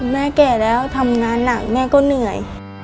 แม่แก่แล้วทำงานหนักแม่ก็เหนื่อย